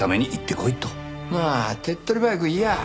まあ手っ取り早く言やあ